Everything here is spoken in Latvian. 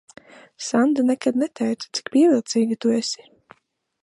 Sanda nekad neteica, cik pievilcīga tu esi.